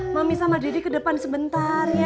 mami sama didi ke depan sebentar